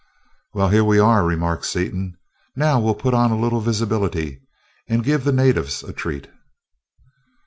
"Well, here we are," remarked Seaton. "Now we'll put on a little visibility and give the natives a treat."